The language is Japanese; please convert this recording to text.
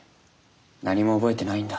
何も覚えてないんだ。